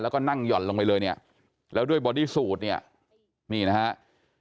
แล้วก็นั่งหย่อนลงไปเลยเนี่ยแล้วด้วยบอดี้สูตรเนี่ยนี่นะครับ